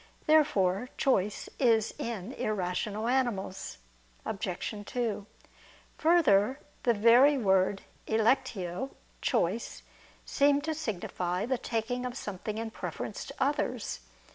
Therefore choice is in irrational animals. Obj. 2: Further, the very word electio (choice) seems to signify the taking of something in preference to others.